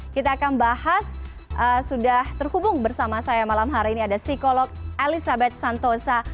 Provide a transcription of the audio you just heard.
kita akan bahas sudah terhubung bersama saya malam hari ini ada psikolog elizabeth santosa